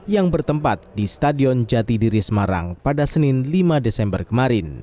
yang bertempat di stadion jatidiri semarang pada senin lima desember kemarin